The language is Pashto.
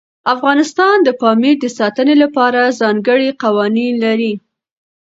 افغانستان د پامیر د ساتنې لپاره ځانګړي قوانین لري.